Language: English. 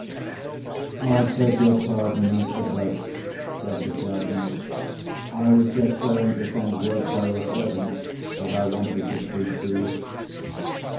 "I beg your pardon, Mr. Blake," said the Sergeant. "I was just going to send word by your servant that I wanted to speak to you.